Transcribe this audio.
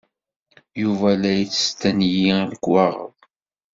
Yuba la yettestenyi lekwaɣeḍ.